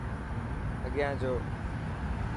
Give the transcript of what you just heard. اگيان جو.